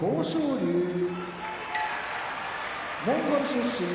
龍モンゴル出身